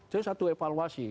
jadi satu evaluasi